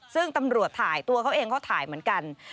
ซึ่งตำรวจถ่ายตัวเขาเองเขาถ่ายเหมือนกัน